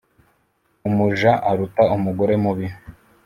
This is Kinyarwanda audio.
Umuja aruta umugore mubi.